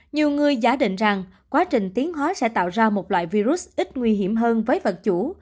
nhiều người giả định rằng quá trình tiến hóa sẽ tạo ra một loại virus ít nguy hiểm hơn với vật chủ